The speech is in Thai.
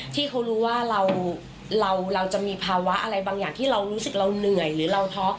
ที่เขารู้ว่าเราจะมีภาวะอะไรบางอย่างที่เรารู้สึกเราเหนื่อยหรือเราท้อ